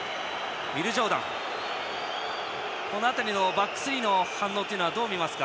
バックスリーの反応どう見ますか。